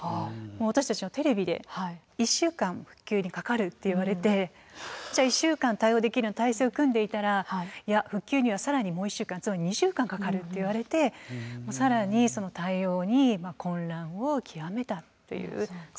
私たちはテレビで１週間復旧にかかるって言われてじゃあ１週間対応できるような体制を組んでいたらいや復旧にはさらにもう１週間つまり２週間かかるって言われてさらにその対応に混乱を極めたというそんな状態でした。